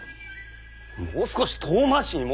もう少し遠回しに申せ！